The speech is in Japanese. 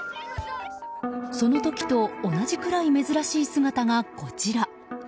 その時と同じくらい珍しい姿が、こちら。